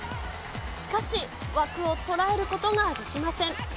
しかし、枠を捉えることができません。